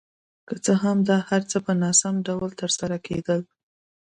که څه هم دا هر څه په ناسم ډول ترسره کېدل.